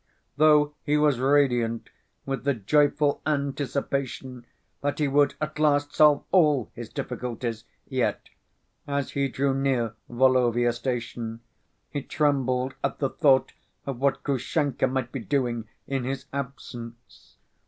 Though he was radiant with the joyful anticipation that he would at last solve all his difficulties, yet, as he drew near Volovya station, he trembled at the thought of what Grushenka might be doing in his absence.